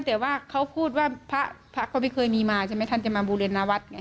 แต่ว่าเขาพูดว่าพระเขาไม่เคยมีมาใช่ไหมท่านจะมาบูรณาวัดไง